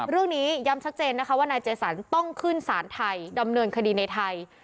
เรื่องนี้ย้ำชัดเจนนะคะว่านายเจสันต้องขึ้นสารไทยดำเนินคดีในไทย